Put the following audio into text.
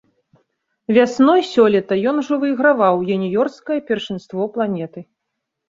Вясной сёлета ён ужо выйграваў юніёрскае першынство планеты.